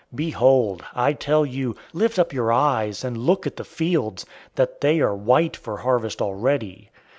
Behold, I tell you, lift up your eyes, and look at the fields, that they are white for harvest already.